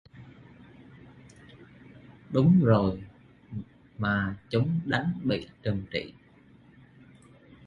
Đúng rồi mà chúng đánh bị trừng trị